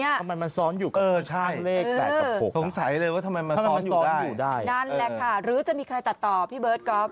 ทำไมมันซ้อนอยู่กับพิธีการเลข๘กับ๖ค่ะนั่นแหละค่ะหรือจะมีใครตัดต่อพี่เบิร์ดก๊อฟ